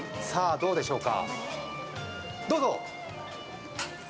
どうでしょうか。